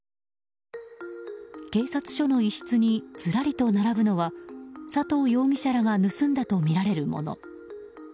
警察署の一室にずらりと並ぶのは佐藤容疑者らが盗んだとみられるもの。